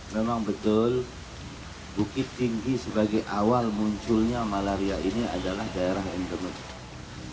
memang betul bukit tinggi sebagai awal munculnya malaria ini adalah daerah indonesia